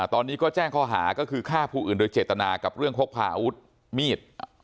ตอนนี้ก็แจ้งข้อหาก็คือฆ่าผู้อื่นโดยเจตนากับเรื่องพกพาอาวุธมีด